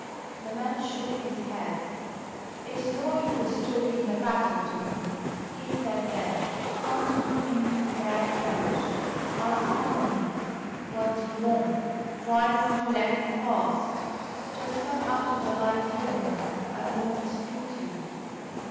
The man shook his head. "It's no use talking that patter to me," he said; then, plunging into bad French, asked sullenly: "What do you want? Why can't you let me pass?" "Just come out of the light here a minute; I want to speak to you."